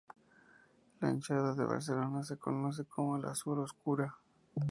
La hinchada de Barcelona se conoce como "La Sur Oscura".